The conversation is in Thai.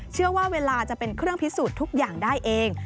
เชื่อว่าเวลาจะเป็นเครื่องพิสูจน์ทุกอย่างได้เอง